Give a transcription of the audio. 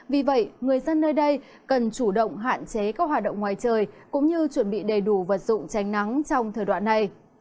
vì vậy người dân nơi đây cần chủ động hạn chế các hoạt động ngoài trời cũng như chuẩn bị đầy đủ vật dụng tránh nắng trong thời đoạn này